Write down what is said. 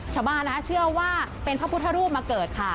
ชาวบ้านเชื่อว่าเป็นพระพุทธรูปมาเกิดค่ะ